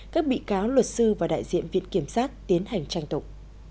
các bị cáo luật sư và đại diện viện kiểm sát tiến hành tranh tụng